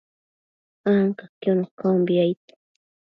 ancaquiono caumbi, aid